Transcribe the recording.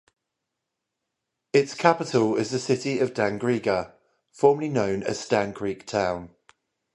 Its capital is the city of Dangriga, formerly known as Stann Creek Town.